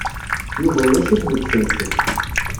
Yuba ulac-it deg usensu.